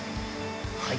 はい！